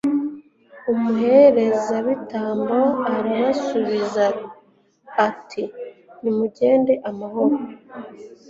umuherezabitambo arabasubiza ati nimugende amahoro